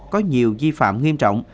có nhiều di phạm nghiêm trọng